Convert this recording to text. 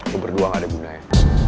lo berdua gak ada budaya